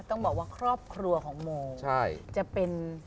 ต้องบอกว่าครอบครัวของโม